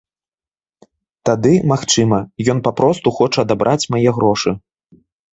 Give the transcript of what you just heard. Тады, магчыма, ён папросту хоча адабраць мае грошы.